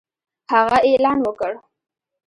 هغه اعلان وکړ